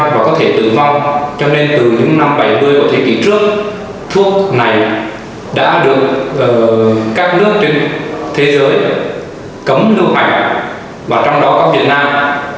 và có thể tử vong cho nên từ những năm bảy mươi của thế kỷ trước thuốc này đã được các nước trên thế giới cấm nước mạnh và trong đó có việt nam